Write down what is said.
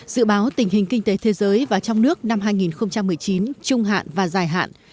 dự báo tình hình kinh tế thế giới và trong nước năm hai nghìn một mươi chín trung hạn và dài hạn